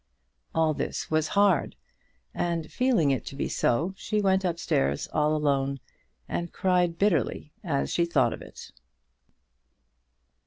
All this was hard, and feeling it to be so, she went up stairs, all alone, and cried bitterly as she thought of it.